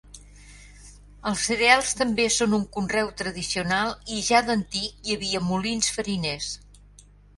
Els cereals també són un conreu tradicional i ja d'antic hi havia molins fariners.